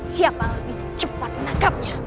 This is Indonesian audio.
siapa lebih cepat menangkapnya